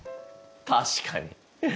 確かに。